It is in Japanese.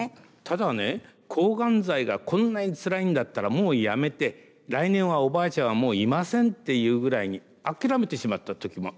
ただね抗がん剤がこんなにつらいんだったらもうやめて来年はおばあちゃんはもういませんっていうぐらいに諦めてしまった時も。